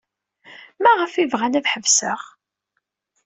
Maɣef ay bɣan ad ḥebseɣ?